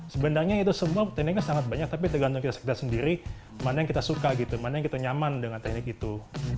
sebenarnya itu semua tekniknya sangat banyak tapi tergantung kita sendiri mana yang kita suka gitu mana yang kita nyaman dengan teknik itu